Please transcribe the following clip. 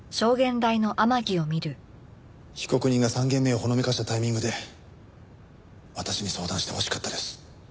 被告人が３件目をほのめかしたタイミングで私に相談してほしかったです。